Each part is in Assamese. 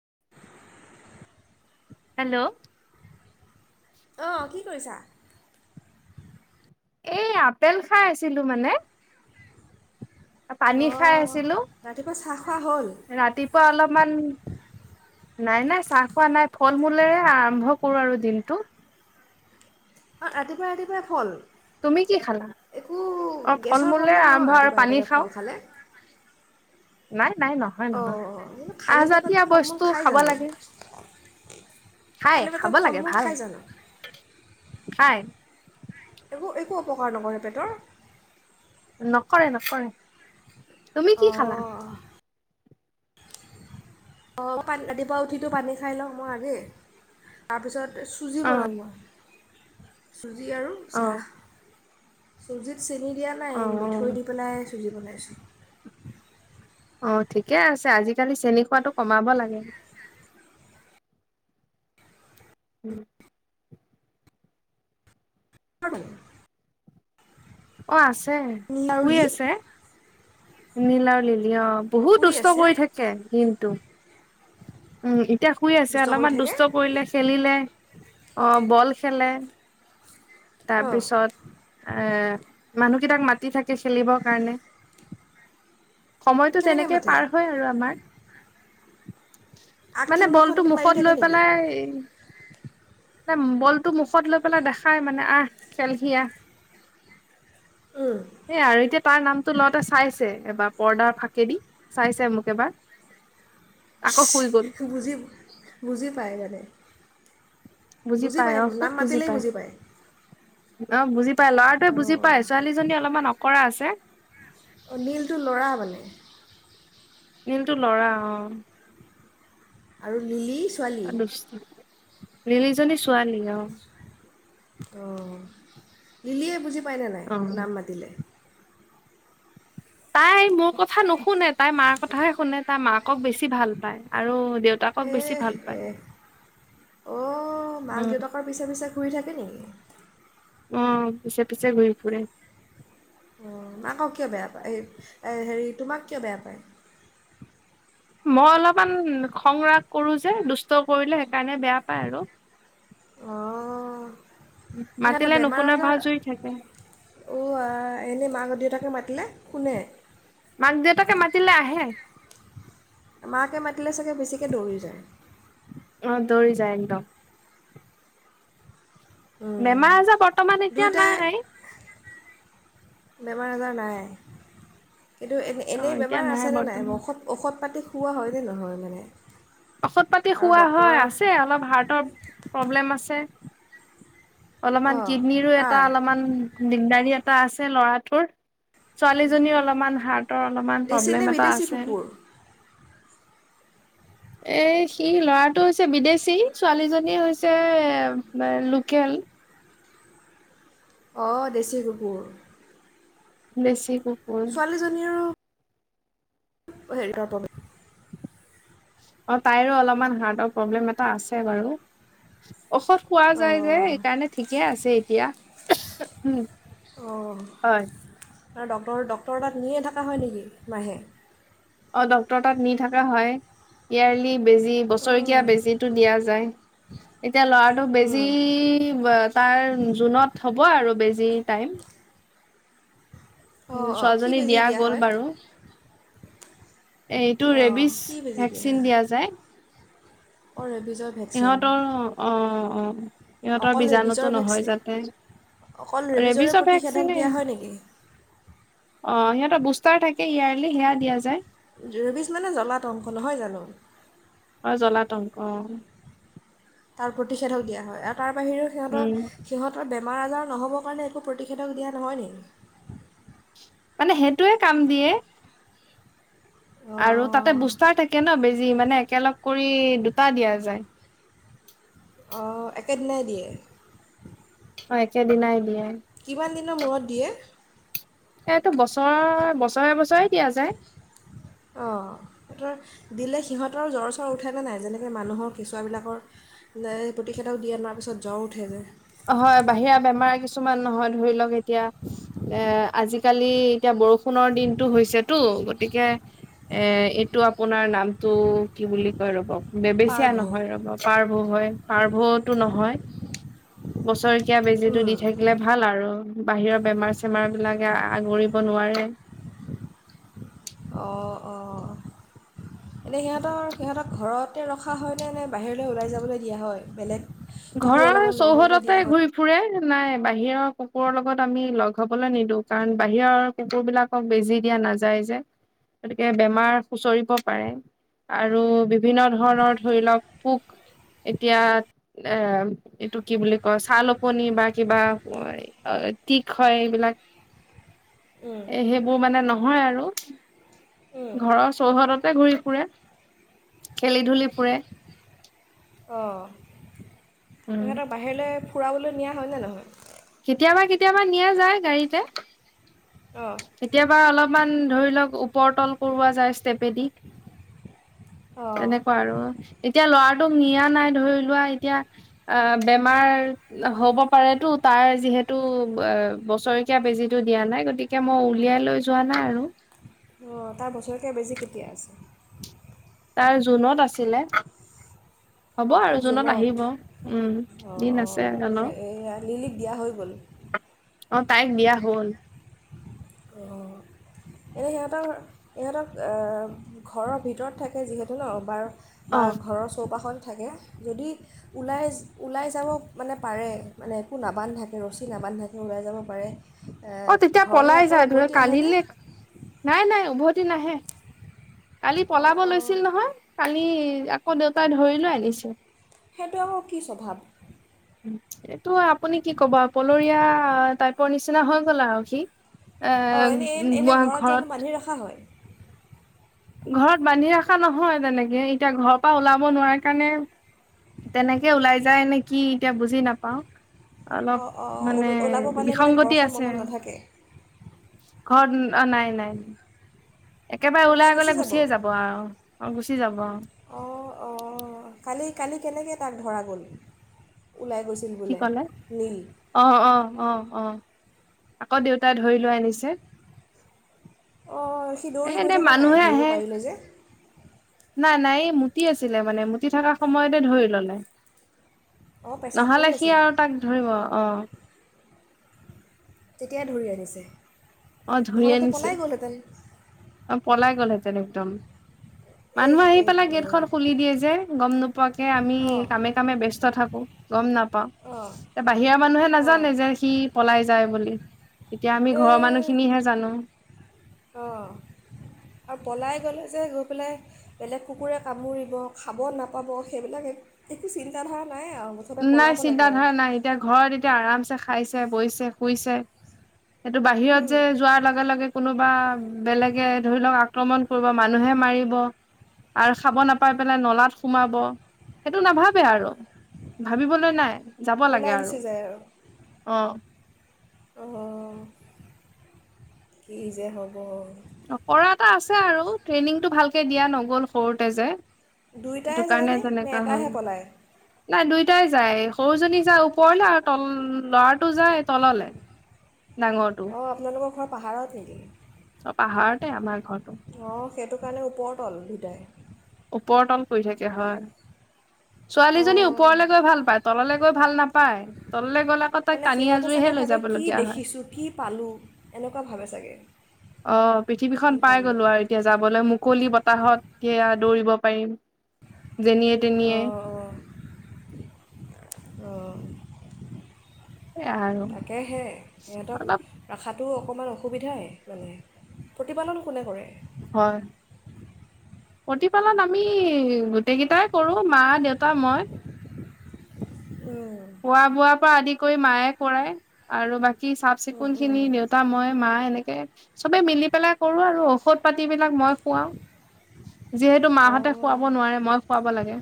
[inaudible] হেল্ল' অঁ কি কৰিছা? এই আপেল খাই আছিলো মানে। পানী খাই অঁ আছিলো, ৰাতিপুৱা চাহ খোৱা হ'ল ৰাতিপুৱা অলপমান নাই নাই চাহ খোৱা নাই, ফল- মূলেৰে আৰম্ভ কৰো আৰু দিনটো। অ ৰাতিপুৱাই ৰাতিপুৱাই ফল তুমি কি খালা? একো অ', গেছৰ ফল-মূলেৰে প্ৰব্লেম নহয় আৰম্ভ আৰু ৰাতিপুৱা পানী ৰাতিপুৱাই ফল খাওঁ। নাই নাই নহয় অ নহয় অ খালী পেটত আহজাতীয় ফল-মূল বস্তু টো খাই খাব জানো? লাগে খাই, খালী খাব পেটত ফল লাগে মূল ভাল, খাই জানো খাই। একো একো অপকাৰ নকৰে পেটৰ? নকৰে নকৰে। তুমি কি খালা? অঁ অ পা ৰাতিপুৱা উঠিতো পানী খাই লওঁ মই আগেই, তাৰপিছত চুজি অ বনাম মই। চুজি আৰু অ চাহ। চুজিত চেনি দিয়া নাই, অ অ মিঠৈ দি পেলাই ৰিল বনাইছোঁ। অ ঠিকেই আছে, আজিকালি চেনি খোৱাটো কমাব লাগে। উম [inaudible] অ আছে তে আৰু শুই আছে। নিলাউ লিলিআউ বহুত শুই দুষ্ট আছে কৰি থাকে দিনটো। উম, উ। এতিয়া শুই আছে, দুষ্ট কৰি অলপমান দুষ্ট থাকে কৰিলে, খেলিলে। অ', বল খেলে। অঁ তাৰপিছত আ মানুহকেইটাক মাতি থাকে খেলিবৰ কাৰণে। সময়তটো কেনেকৈ তেনেকেই মাতে পাৰ হয় আৰু আমাৰ। আগ মানে ঠেং দুখন বলটো দি মাৰি মুখত থাকে লৈ নেকি পেলাই বলটো মুখত লৈ পেলাই দেখায় মানে আহ, খেলহি আহ। উম, সেইয়া আৰু এতিয়া তাৰ নামটো লওঁতে চাইছে, এবাৰ পৰ্দাৰ ফাঁকেদি চাইছে মোক এবাৰ। আকৌ শুই গ'ল বুজি বুজি পায় মানে। বুজি পাই অ খুব বুজি পায়। অ বুজি ল'ৰাটোৱে বুজি অঁ পাই ছোৱালীজনী অলপমান অ কৰা আছে নীলটো ল'ৰা মানে। নীলটো ল'ৰা অ আৰু লিলি ছোৱালী [unintelligible] লিলিজনী ছোৱালী ন? অ, লিলিয়ে বুজি [unintelligible] নাই অ নাম মাতিলে? তাই মোৰ কথা নুশুনে, তাই মাৰ কথাহে শুনে তাই মাকক বেছি ভাল পায় আৰু দেউতাকক বেছি এহ ভাল পায় এহ, অ মাক উম দেউতাকৰ পিছে পিছে ঘূৰি থাক [unintelligible] অ, পিছে পিছে ঘূৰি ফুৰে। অ মাকক কিয় বেয়া পায় এ এ হেৰি তোমাক কিয় বেয়া পায়? মই অলপমান খং ৰাগ কৰো যে, দুষ্ট কৰিলে সেইকাৰণে বেয়া পায় আৰু। অ এখেতে মাতিলে বেমাৰ নুশুনা আজাৰ, ভাজুৰি থাকে ও আই এনেই [unintelligible] দেউতাকে মাতিলে শুনে। মাক দেউতাকে মাতিলে আহে। মাকে মাতিলে চাগে বেছিকে দৌৰি যায়। অ দৌৰি যায় একদম। উম, বেমাৰ আজাৰ বৰ্তমান এতিয়া দুয়োটাই নাই বেমাৰ আজাৰ নাই। কিন্তু এনে অ এনেই এতিয়া বেমাৰ আছেনে নাই বৰ্তমান ঔষত ঔষধ পাতি খুওৱা হয়নে নহয় মানে? ঔষধ পাতি আৰু খুওৱা ডক্তৰৰ হয়, আছে অলপ হাৰ্টৰ প্ৰব্লেম আছে। অলপমান অঁ কিডনীৰিৰো এটা কাৰ অলপমান দিগদাৰী এটা আছে ল'ৰাটোৰ। ছোৱালীজনী অলপমান হাৰ্টৰ অলপমান দেশী নে প্ৰব্লেম এটা বিদেশী আছে। কুকুৰ এ সি ল'ৰাটো হৈছে বিদেশী ছোৱালীজনী হৈছে, লোকেল। অ, দেশী কুকুৰ বেছি [inaudible] ছোৱালীজনী আৰু অ', হেৰি তৰ পম অ', তাইৰো অলপমান হাৰ্টৰ প্ৰব্লেম এটা আছে বাৰু। ঔষধ খোৱা যায় যে অঁ সেইকাৰণে ঠিকে আছে এ এতিয়া উম অ'। হয়। আৰু ডক্টৰ ডক্টৰৰ তাত নিয়ে থাকা হয় নেকি মাহে? ডক্তৰৰ তাত নি থাকা হয়, ইয়াৰলি বেজি বছৰেকীয়া অঁ বেজীটো দিয়া যায়। এতিয়া ল'ৰাটোক বেজি ব তাৰ জুনত হ'ব আৰু বেজিৰ টাইম। উম, অঁ অঁ কি ছোৱালীজনী বেজি দিয়া গ'ল হয় বাৰু। এ, এইটো অঁ ৰেবিছ কি বেজি ভেকচিন দিয়া যায়। [inaudible] ভেকচিন ইহঁতৰ অ', অ', ইহঁতৰ অকল বীজাণুতো ৰেবিজৰ নহয় ভেকচিন যাতে অকল ৰেবিজৰে ৰেবিচৰ প্ৰতিষেধক ভেকচিনে। দিয়া হয় নেকি অ', সিহঁতৰ বুষ্টাৰ থাকে ইয়াৰলি সেয়া দিয়া যায়। ৰেবিজ মানে জ্বলাতংক নহয় জানোঁ? জ্বলাতংক তাৰ প্ৰতিষেধক দিয়া হয় আৰ তাৰ বাহিৰেও সিহঁতৰ উম সিহঁতৰ বেমাৰ আজাৰ নহ'বৰ কাৰণে একো প্ৰতিষেধক দিয়া নহয় নি? মানে সেইটোয়ে কাম দিয়ে। আৰু তাতে অঁ বুষ্টাৰ থাকে ন' বেজি মানে একেলগ কৰি দুটা দিয়া যায়। অ', একেদিনাই দিয়ে। অ', একে দিনাই দিয়ে। কিমান দিনৰ মূৰত দিয়ে? এইটো বছৰ বছৰে বছৰে দিয়া যায়। অ', দিলে সিহঁতৰ জ্বৰ চ্বৰ উঠে নে নাই যেনেকৈ মানুহৰ কেঁচুৱাবিলাকৰ প্ৰতিষেধক দিয় আনাৰ পিছত জ্বৰ উঠে যে? হয় বাহিৰা বেমাৰ কিছুমান নহয় ধৰি লওঁক এতিয়া এ আজিকালি এতিয়া বৰষুণৰ দিনতটো হৈছেতো গতিকে এ, এইটো আপোনাৰ নামটো কি বুলি কয় ৰ'ব বেছিয়া নহয় পাৰ্ভ ৰ'ব পাৰব হয়। পাৰ্ভটো নহয় বছৰি কীয়া বেজিটো দি থাকিলে ভাল আৰু। বাহিৰৰ বেমাৰ চেমাৰ বিলাকে আগৰিব নোৱাৰে। অ', অ'। এনে সিহঁতৰ সিহঁতক ঘৰত তাতে ৰখা হয় নে নে বাহিৰলৈ ওলাই যাবলৈ দিয়া হয়, বেলেগ কুকুৰৰ ঘৰৰ লগত লগ হ'বলৈ চৌহদতে দিয়া হয় ঘূৰি ফুৰে। নাই বাহিৰৰ কুকুৰৰ লগত আমি লগ হবলৈ নিদো, কাৰণ বাহিৰৰ কুকুৰ বিলাকক বেজি দিয়া নাযায় যে। গতিকে বেমাৰ হুঁচৰিব পাৰে আৰু বিভিন্ন ধৰণৰ ধৰি লওক পোক এতিয়া এ এইটো কি বুলি কয়, চাল অকনি বা কিবা কিক হয় এইবিলাক উম। মোৰ মানে নহয় আৰু উম, ঘৰৰ চৌহদতে ঘূৰি ফুৰে খেলি ধূলি ফুৰে। অ উম সিহঁতৰ বাহিৰলৈ ফুৰাবলৈ নিয়া হয়নেে নহয়? কেতিয়াবা কেতিয়াবা নিয়া যায় গাড়ীতে। অঁ কেতিয়াবা অলপমান ধৰি লওক ওপৰতল কৰোঁৱা যায় ষ্টেপেদি অঁ তেনেকুৱা আৰু এতিয়া ল'ৰাটোক নিয়া নাই ধৰি লোৱা এতিয়া অ বেমাৰ হব পাৰেতো তাৰ যিহেতু বছৰেকীয়া বেজিটো দিয়া নাই গতিকে তে মই উলিয়াই লৈ যোৱা নাই আৰু অ তাৰ বছৰেকীয়া বেজি কেতিয়া আছে। তাৰ জুনত আছিলে। হ'ব আৰু অ জুনত আহিব উম অ দিন অ আছে জনৰ এইয়া লিলিক দিয়া হৈ গ'ল। অ তাইৰ বিয়া হল। অ এনেই সিহঁতৰ ইহঁতক ঘৰৰ ভিতৰত থাকে যিহেতু ন বাৰ বা অ ঘৰৰ চৌপাশখন থাকে যদি ওলাই ওলাই যাব মানে পাৰে মানে একো নাবান্ধাকে ৰছী নাবান্ধাকে ওলাই যাব পাৰে এ ঘৰলে জানো! কালিলে নাই নাই উভতি নাহে। কালি অঁ পলাব অঁ লৈছিল নহয় কালি ই দেউতাই ধৰি লৈ আনিছে। সেইটো আকৌ কি স্বভাৱ। এইটো আপুনি কি ক'ব পলৰীয়া টাইপৰ নিচিনা হৈ গল আৰু সি। এ অ এনেই এনেই ঘৰত যানো বান্ধি ৰখা হয় ঘৰত বান্ধি ৰখা নহয় তেনেকে এতিয়া ঘৰৰ পৰা ওলাব নোৱাৰাৰে কাৰণে তেনেকে ওলাই যায় নে কি এতিয়া বুজি নাপাওঁ। অলপ অঁ অঁ মানে ওলাব পালে মানে বিসংগতি ঘৰখন আছে। মনত নাথাকে ঘৰত অ নাই নাই নাই একেবাৰে ওলাই গলে গুচিয়ে যাব আৰু অ গুচি যাব। অ অ কালি কালি কেনেকৈ তাক ধৰা গ'ল। ওলাই গৈছিল কি বোলে কলে নীল অ অ অ অ আকৌ দেউতাই ধৰি লৈ আনিছে। অ সি এ দৌৰি গৈ এনে থকা নাই, মানুহে ধৰিব আহে পাৰিলে যে নাই নাই। এই মুতি আছিলে মানে, মুতি থকা সময়তে ধৰি ল'লে। অঁ পেচাব কৰি ন'হলে সি আছিলে আৰু তাক ধৰিব, অ তেতিয়াাই ধৰি আনিছে অ ধৰি নহ'লেতো আনিছে পলাই গ'লহেঁতেন অ পলাই গলহেঁতেন একদম মানুহ এহ আহি এহ পেলাই গেটখন এহ খুলি দিয়ে যে গম নোপোৱাকে আমি অঁ কামে কামে ব্যস্ত থাকো গম নাপ অঁ ত বাহিৰা মানুহে অঁ নাজানে যে, সি পলাই যায় বুলি। এতিয়া আমি ঘৰৰ এই মানুহ এয়া জানো। অঁ আৰু পলাই গ'লে যে গৈ পেলাই বেলেগ কুকুৰে কামুৰিব খাব নাপাব সেইবিলাক একো চিন্তাধাৰণা নাই চিন্তা ধাৰা নাই এতিয়া ঘৰত এতিয়া আৰামছে খাইছে বৈছে। শুইছে। সেইটো বাহিৰত উম, যে যোৱাৰ লগে লগে কোনো বা বেলেগে ধৰি লওক, আক্ৰমণ কৰিব মানুহে মাৰিব আৰু খাব নাপাই পেলাই নলাত সোমাব, সেইটো নাভাবে আৰু ভাবিবলৈ নাই। যাব লাগে ওলাই আৰু গুচি অ অ' কি যে হ'ব! কৰা এটা আছে আৰু ট্ৰেইনিংতটো ভালকে দিয়া নগ'ল সৰুতে যে দুয়োটাই সেইটো কাৰণে যায়নে, নে তেনেকা হ'ল এটাহে পলায়? নাই দুয়োটাই যায় সৰু জনী যায় ওপৰলে আৰু তল ল'ৰাটো যায় তললে ডাঙৰটো অ আপোনালোকৰ ঘৰত পাহাৰত নেকি? অ পাহাৰতে আমাৰ ঘৰ। অ সেইটো কাৰণে ওপৰ তল, দুয়োটাই ওপৰ তল কৰি থাকে হয়। ছোৱালীজনী অঁ ওপৰলে গৈ ভাল পায় তললৈ গৈ ভাল নাপায় তললৈ গলে আকৌ তাইক মানে টানি সিহঁতে আজুৰিহে চাগে লৈ ভাবে যাব কি লগীয়া হয় দেখিছোঁ কি পালোঁ এনেকুৱা ভাবে চাগে অ পৃথিৱীখন কি পাই পালোঁ গ'লো আৰু এতিয়া যাবলৈ মুকলি বতাহত এয়া দৌৰিব পাৰিম। যেনিয়ে, তেনিয়ে অ। এ আৰু অলপ তো অকণমান অসুবিধাই মানে, প্ৰতিপালন কোনে কৰে? হয়। প্ৰতিপালন আমি গোটেই কেইটাই কৰোঁ- ম, দেউতা, মই। উম, খোৱা বোৱাৰ পৰা আদি কৰি মায়ে কৰাই আৰু বাকী কি উম, চাফ-চিকুনখিনি উম। দেউতা, মই, মা এনেক [unintelligible] চবে মিলি পেলাই কৰোঁ আৰু ঔষধ পাতি বিলাক মই খুৱাও। যিহেতু মাহঁতে অঁ খুৱাব নোৱাৰে মই খোৱাব লাগে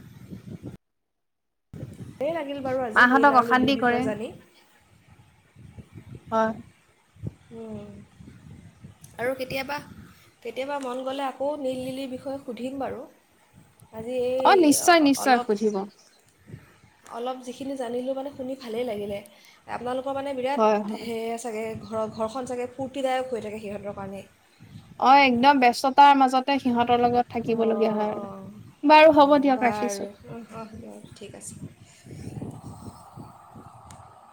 লেই লাগিল বাৰু আজি নীল মাহঁতক আৰু অশান্তি লিলিৰ বিষয়ে কৰে জানি। হয় উম। আৰু কেতিয়াবা কেতিয়াবা মন গ'লে আকৌ নীল নিলিৰ বিষয়ে সুধিম বাৰু। আজি এই অ নিশ্চয় নিশ্চয় অলপ সুধিব অলপ যিখিনি জানিলো মানে শুনি ভালে লাগিলে, আপোনালোকৰ তোমাৰ মানে বিৰাট হয় হয় সেয়া চাগৈ ঘৰ ঘৰখন চাগে ফূৰ্তদায়ক হৈ থাকে সিহঁতৰ কাৰণে অ একদম ব্যস্ততাৰ মাজত অ', অ', বাৰু হ'ব অ', দিয়ক ৰাখিছো বাৰু অ' বাৰু ঠিক আছে। [unintelligible]